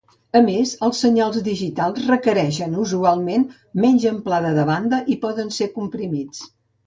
A més els senyals digitals requereixen usualment menys amplada de banda i poden ser comprimits.